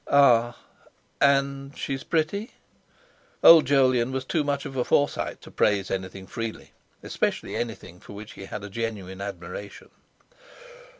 "Ah! and she is pretty?" Old Jolyon was too much of a Forsyte to praise anything freely; especially anything for which he had a genuine admiration.